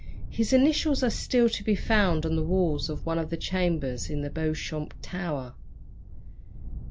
His initials are still to be found on the walls of one of the chambers in the Beauchamp Tower.